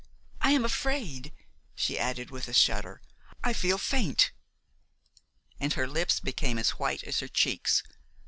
I am afraid," she added, with a shudder, "I feel faint." And her lips became as white as her cheeks.